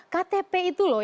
ktp itu loh ya